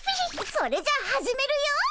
それじゃ始めるよ。